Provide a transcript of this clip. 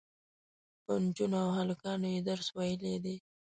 په نجونو او هلکانو یې درس ویلی دی.